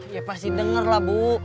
ya pasti denger lah bu